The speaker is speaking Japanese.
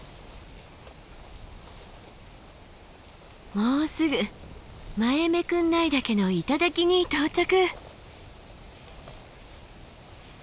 もうすぐ前目国内岳の頂に到着。